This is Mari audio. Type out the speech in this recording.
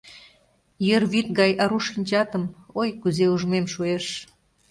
Ер вӱд гай ару шинчатым, Ой, кузе ужмем шуэш.